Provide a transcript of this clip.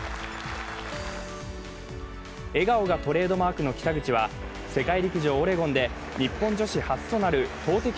笑顔がトレードマークの北口は世界陸上オレゴンで日本女子初となる投てき